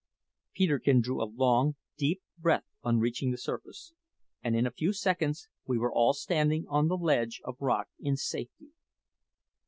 Peterkin drew a long, deep breath on reaching the surface, and in a few seconds we were all standing on the ledge of rock in safety.